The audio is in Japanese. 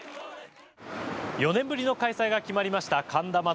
４年ぶりの開催が決まりました神田祭。